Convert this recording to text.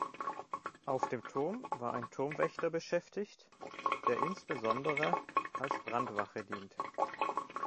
Auf dem Turm war ein Turmwächter beschäftigt, der insbesondere als Brandwache diente.